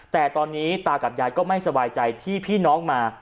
แต่ตอนนี้ตากับยายก็ไม่สบายใจที่พี่น้องมา